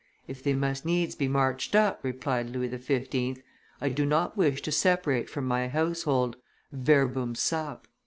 "If they must needs be marched up," replied Louis XV., "I do not wish to separate from my household: verbum sap."